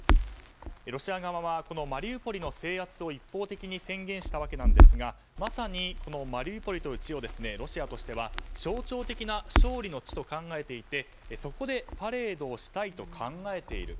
ロシア側はこのマリウポリの制圧を一方的に宣言したわけですがまさにこのマリウポリという地をロシアとしては象徴的な勝利の地と考えていてそこでパレードをしたいと考えている。